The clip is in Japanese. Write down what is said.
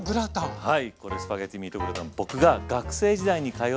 はい。